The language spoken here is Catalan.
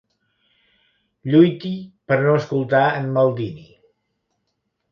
Lluiti per no escoltar en Maldini.